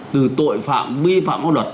từ tội phạm vi phạm hoa luật